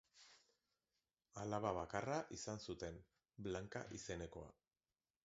Alaba bakarra izan zuten, Blanka izenekoa.